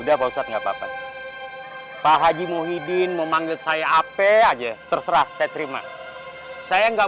udah bosat nggak papa pak haji muhyiddin memanggil saya apa aja terserah saya terima saya enggak